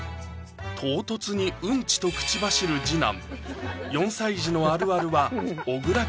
唐突にウンチと口走る次男